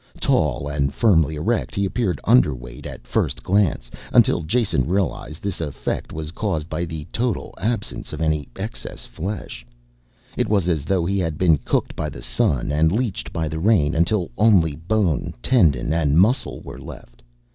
Tall and firmly erect, he appeared underweight at first glance, until Jason realized this effect was caused by the total absence of any excess flesh. It was as though he had been cooked by the sun and leeched by the rain until only bone, tendon and muscle were left.